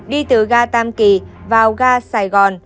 đi từ gà tam kỳ vào gà sài gòn